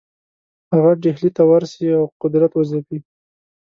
هغه ډهلي ته ورسي او قدرت وځپي.